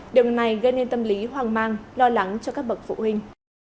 điều này gây nên tâm lý hoang mang lo lắng cho các bậc phụ huynh